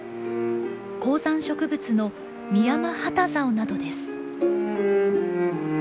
高山植物のミヤマハタザオなどです。